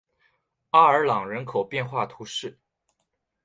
阿尔朗人口变化图示